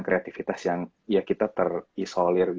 kreativitas yang ya kita terisolir